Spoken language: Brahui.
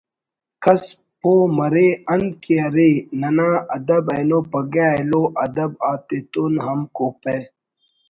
کس پہہ مرے انت کہ ارے ننا ادب اینو پگہ ایلو ادب آتتون ہم کوپہ